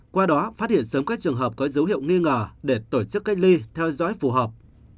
qua đó phát hiện sớm các trường hợp có dấu hiệu nghi ngờ để tổ chức cách ly theo dõi phù hợp